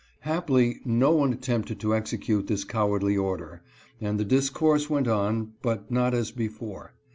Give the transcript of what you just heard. Happily no one attempted to execute this cowardly order, and the discourse went on ; but not as before.